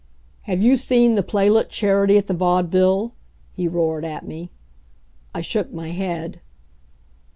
"Have you seen the playlet Charity at the Vaudeville?" he roared at me. I shook my head.